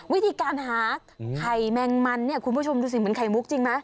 วิธีการหาไข่แมงมันเนี่ยคุณผู้ชมดูสิเหมือนไข่มุกจริงไหม